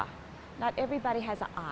bukan semua orang punya mata